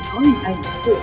trong đại hội nước